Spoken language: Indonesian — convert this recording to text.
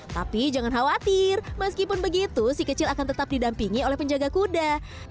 tapi jangan khawatir meskipun begitu si kecil akan tetap didampingi oleh penjaga kuda